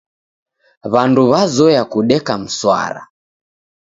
W'andu w'azoya kudeka mswara.